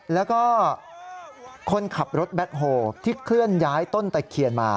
แล้วก็คนขับรถแบ็คโฮที่เคลื่อนย้ายต้นตะเคียนมา